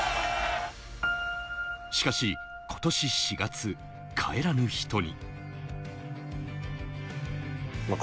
しかしことし４月、帰らぬ人に。